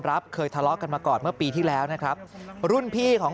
เคยทะเลาะกันมาก่อนเมื่อปีที่แล้วนะครับรุ่นพี่ของ